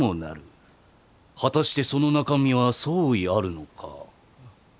果たしてその中身は相違あるのか？